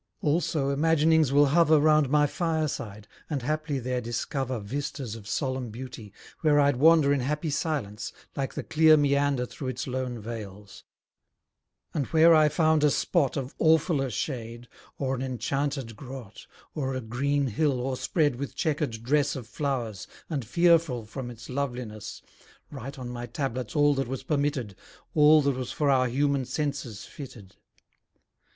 Also imaginings will hover Round my fire side, and haply there discover Vistas of solemn beauty, where I'd wander In happy silence, like the clear meander Through its lone vales; and where I found a spot Of awfuller shade, or an enchanted grot, Or a green hill o'erspread with chequered dress Of flowers, and fearful from its loveliness, Write on my tablets all that was permitted, All that was for our human senses fitted.